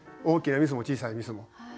大きなミスも小さいミスも。